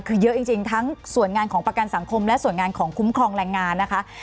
คือเยอะจริงทั้งส่วนงานของประกันสังคมและส่วนงานของคุ้มครองแรงงานนะคะ